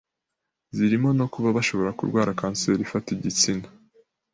zirimo no kuba bashobora kurwara kanseri ifata igitsina